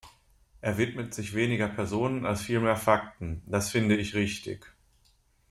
Er widmet sich weniger Personen als vielmehr Fakten. Das finde ich richtig.